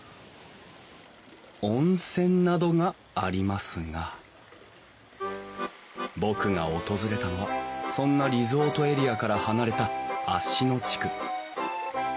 温泉などがありますが僕が訪れたのはそんなリゾートエリアから離れた芦野地区。